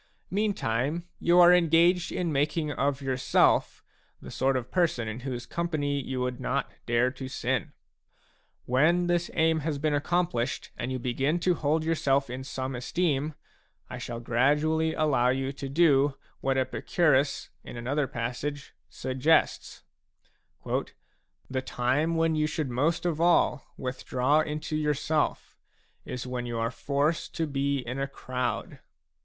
Meantime, you are engaged in making of yourself the sort of person in whose company you would not dare to sin. When this aim has been accomplished and you begin to hold yourself in some esteem, I shall gradually allow you to do what Epicurus, in another passage, suggests : b " The time when you should most of all withdraw into yourself is when you are forced to be in a crowd."